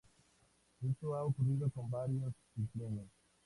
Esto ha ocurrido con varios isleños.